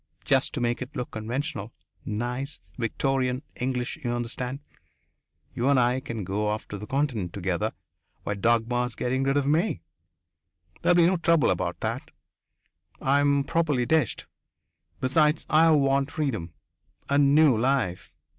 Just to make it look conventional nice, Victorian, English, you understand you and I can go off to the Continent together while Dagmar's getting rid of me. There'll be no trouble about that. I'm properly dished. Besides, I want freedom. A new life.